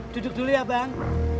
duduk dulu ya bang